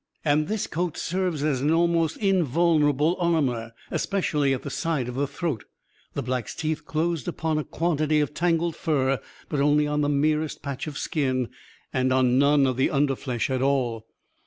And this coat serves as an almost invulnerable armour; especially at the side of the throat. The Black's teeth closed upon a quantity of tangled fur; but on only the merest patch of skin and on none of the under flesh at all.